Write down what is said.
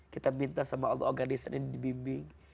kita minta allah agar lisannya dibimbing